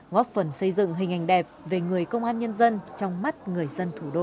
góp phần xây dựng hình ảnh đẹp về người công an nhân dân trong mắt người dân thủ đô